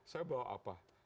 saya bau apa